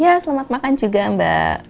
ya selamat makan juga mbak